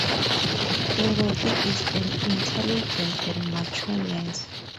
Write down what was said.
Dorothy is an intelligent and mature nurse.